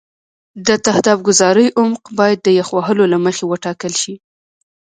د تهداب ګذارۍ عمق باید د یخ وهلو له مخې وټاکل شي